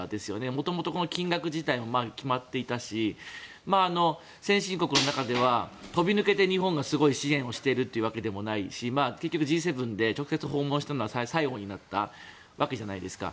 元々、金額自体も決まっていたし先進国の中では飛び抜けて日本がすごい支援をしているわけでもないし結局、Ｇ７で直接訪問したのは最後になったわけじゃないですか。